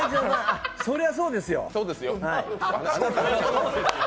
そりゃそうですよ。